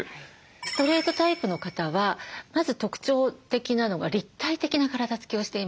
ストレートタイプの方はまず特徴的なのが立体的な体つきをしています。